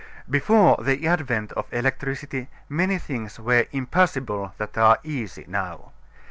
Before the advent of electricity many things were impossible that are easy now.